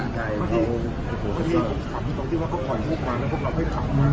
ตั้งใจเพราะที่คุณคิดว่าก็ข่อยมุกมาแล้วพวกเราไม่ข่าว